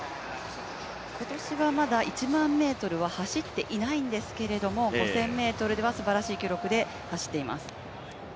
今年はまだ１００００ｍは走っていないんですけど５０００ｍではすばらしい記録で走っています。